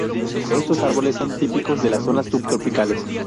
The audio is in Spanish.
Estos árboles son típicos de las zonas subtropicales.